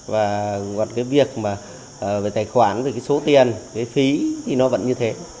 và việc về tài khoản số tiền phí thì nó vẫn như thế